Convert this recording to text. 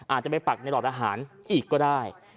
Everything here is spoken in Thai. อาจจะไปปักในหลอดอาหารอีกก็ได้